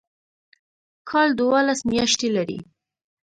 کال دوولس میاشتې لري